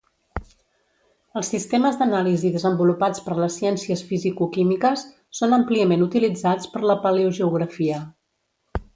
Els sistemes d'anàlisi desenvolupats per les ciències fisicoquímiques són àmpliament utilitzats per la paleogeografia.